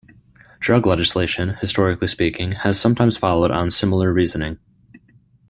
Drug legislation, historically speaking, has sometimes followed on similar reasoning.